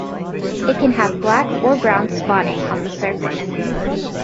It can have black or brown spotting on the surface.